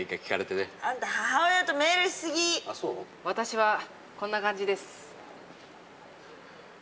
私はこんな感じです。